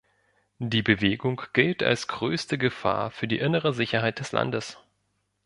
Die Bewegung gilt als „grösste Gefahr für die innere Sicherheit des Landes“.